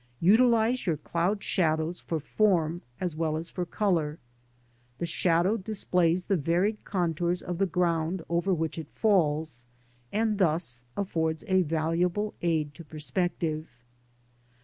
Utilise your cloud shadows for form as well as for colour; the shadow displays the varied contours of the ground over which it falls, and thus affords a valuable aid to perspective.